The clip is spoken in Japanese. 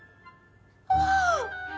ああ。